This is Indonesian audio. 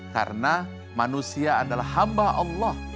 karena manusia adalah hamba allah